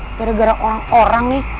gak ada gara orang orang nih